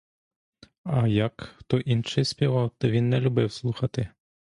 А як хто інший співав, то він не любив слухати.